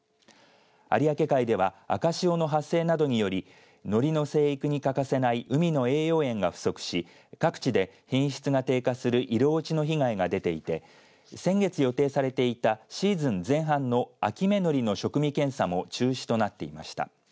有明海では赤潮の発生などによりのりの生育に欠かせない海の栄養塩が不足し各地で品質が低下する色落ちの被害が出ていて先月予定されていたシーズン前半の秋芽のりの食味検査も中止となっていました。